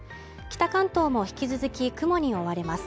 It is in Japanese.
北関東も引き続き雲に覆われます